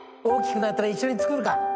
大きくなったら一緒に作るか。